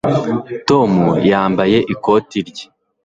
tom yambaye ikoti rye